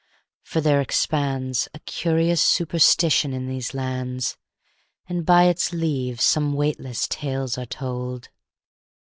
for there expands A curious superstition in these lands, And by its leave some weightless tales are told.